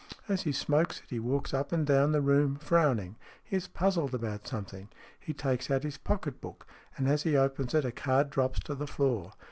As he smokes it, he walks up and down the room, frowning. He is puzzled about something. He takes out his pocket book, and as he opens it a card drops to the floor."